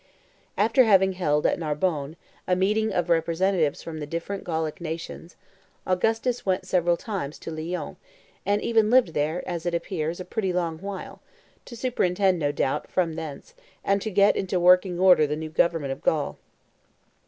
After having held at Narbonne (27 B.C.) a meeting of representatives from the different Gallic nations, Augustus went several times to Lyons, and even lived there, as it appears, a pretty long while, to superintend, no doubt, from thence, and to get into working order the new government of Gaul.